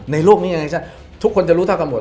ในโลกนี้ยังไงชัดทุกคนจะรู้ทักหมด